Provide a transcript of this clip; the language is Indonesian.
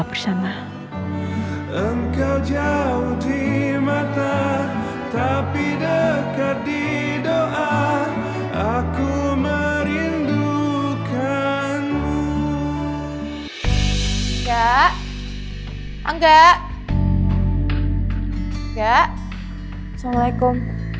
bersama engkau jauh di mata tapi dekat di doa aku merindukanmu enggak enggak enggak assalamualaikum